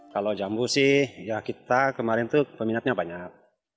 kalau jambu sih ya kita kemarin tuh peminatnya banyak